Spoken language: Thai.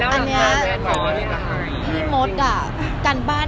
อ่าตอบให้